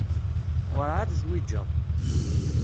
Werεad zwiǧeɣ.